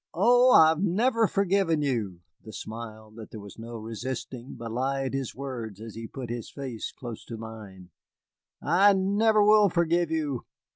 Oh, I have never forgiven you," the smile that there was no resisting belied his words as he put his face close to mine "I never will forgive you.